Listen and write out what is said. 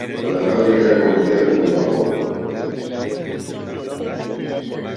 La fábrica era conocida como El Vapor.